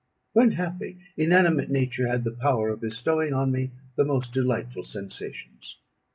When happy, inanimate nature had the power of bestowing on me the most delightful sensations.